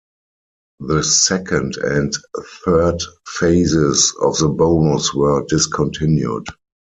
The second and third phases of the bonus were discontinued.